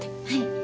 はい。